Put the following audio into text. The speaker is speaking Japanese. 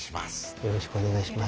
よろしくお願いします。